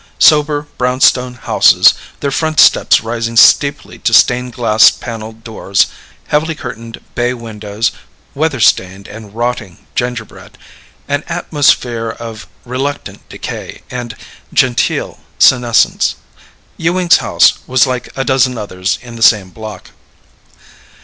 Sober brownstone houses, their front steps rising steeply to stain glass paneled doors; heavily curtained bay windows; weather stained and rotting gingerbread; an atmosphere of reluctant decay and genteel senescence. Ewing's house was like a dozen others in the same block.